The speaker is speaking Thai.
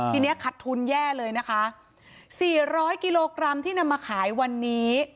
ทีนี้ขัดทุนแย่เลยนะคะสี่ร้อยกิโลกรัมที่นำมาขายวันนี้